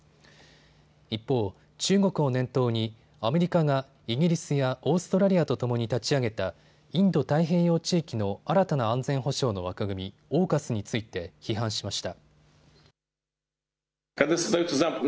一方、中国を念頭にアメリカがイギリスやオーストラリアとともに立ち上げたインド太平洋地域の新たな安全保障の枠組み、ＡＵＫＵＳについて批判しました。